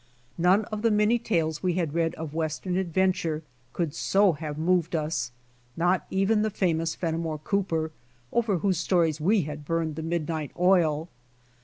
None of the many tales we had read of Western adventure could so have moved us, not even the famous Fennimore Cooper, over whose stories we had burned the midnight oil.